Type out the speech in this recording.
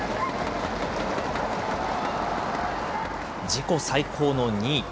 自己最高の２位。